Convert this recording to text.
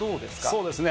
そうですね。